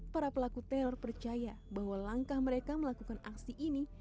para pelaku teror percaya bahwa langkah mereka melakukan aksi ini